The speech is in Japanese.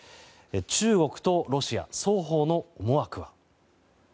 中国とロシア、双方の思惑は。